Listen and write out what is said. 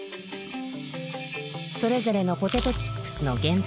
それぞれのポテトチップスの原材料費を算出。